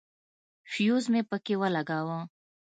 فيوز مې پکښې ولګاوه.